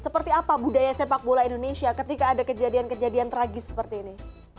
seperti apa budaya sepak bola indonesia ketika ada kejadian kejadian tragis seperti ini